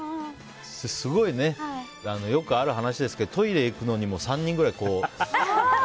すごいよくある話ですけどトイレに行くのにも３人くらい。